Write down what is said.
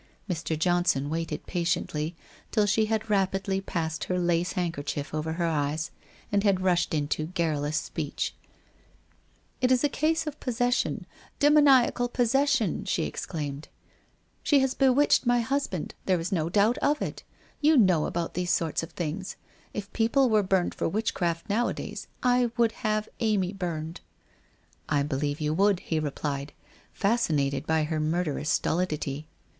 Mr. Johnson waited patiently, till she had rapidly passed her lace hand WHITE ROSE OF WEARY LEAF 391 kerchief over her eyes, and had rushed into garrulous speech :* It is a case of possession — demoniacal possession !' she exclaimed. ' She has bewitched my husband. There is no doubt of it. You know about those sort of things. If people were burned for witchcraft nowadays, I would have Amy burned.' ' I believe you would,' he replied, fascinated by her murderous stolidity.